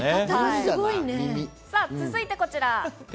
続いてこちら。